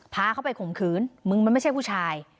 พาเขาไปข่มขืนมึงมันไม่ใช่ผู้ชาย